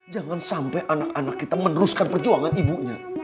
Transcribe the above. jangan sampai anak anak kita meneruskan perjuangan ibunya